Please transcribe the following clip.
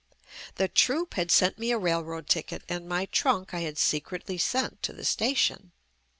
The troupe had sent me a railroad ticket and my trunk I had secretly sent to the station.